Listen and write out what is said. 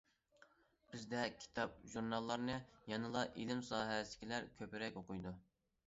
بىزدە كىتاب- ژۇرناللارنى يەنىلا ئىلىم ساھەسىدىكىلەر كۆپرەك ئوقۇيدۇ.